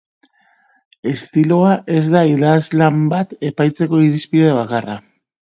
Estiloa ez da idazlan bat epaitzeko irizpide bakarra.